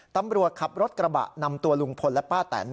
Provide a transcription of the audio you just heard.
ตำรวจขับรถกระบะนำตัวลุงพลและป้าแตน